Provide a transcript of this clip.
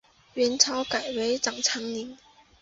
元朝改为长宁州。